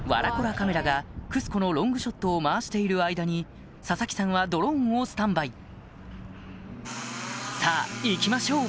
カメラがクスコのロングショットを回している間に佐々木さんはドローンをスタンバイさぁ行きましょう！